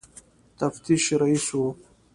تفتیش رییس وو.